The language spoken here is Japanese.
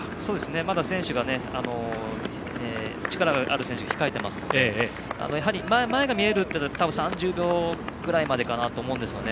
まだ力のある選手が控えていますのでやはり前が見えるというのは３０秒ぐらいまでかなと思うんですよね。